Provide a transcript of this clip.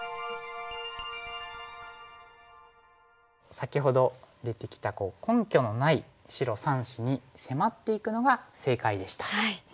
先ほど出てきた根拠のない白３子に迫っていくのが正解でした。